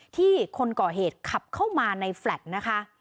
คนก่อเหตุขับเข้ามาในแฟลต์นะคะ